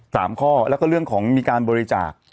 สามข้อแล้วก็เรื่องของมีการบริจาค